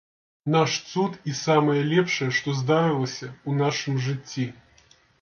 Наш цуд і самае лепшае, што здарылася ў нашым жыцці.